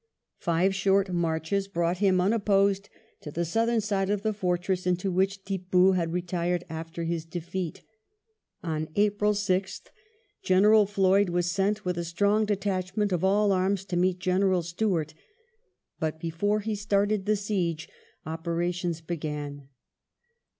Five short marches brought him unopposed to the southern side of the fortress into which Tippoo had retired after his defeat. On April 6th, General Floyd was sent with a strong detachment of all arms to meet General Stuart, but before he started the siege operations began.